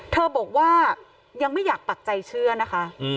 บอกว่ายังไม่อยากปักใจเชื่อนะคะ